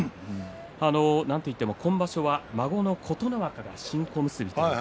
なんといっても今場所は孫の琴ノ若が新小結。